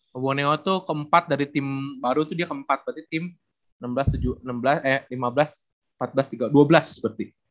bumi borneo itu keempat dari tim baru itu dia keempat berarti tim lima belas empat belas dua belas berarti